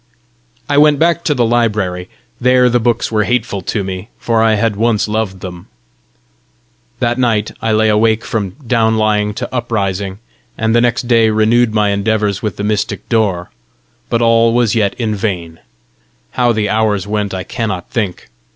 I went back to the library. There the books were hateful to me for I had once loved them. That night I lay awake from down lying to uprising, and the next day renewed my endeavours with the mystic door. But all was yet in vain. How the hours went I cannot think.